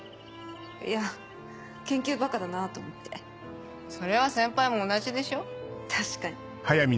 いや研究バカだなと思ってそれは先輩も同じでしょ